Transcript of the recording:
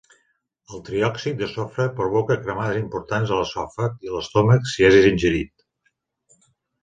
El triòxid de sofre provoca cremades importants a l'esòfag i a l'estómac si és ingerit.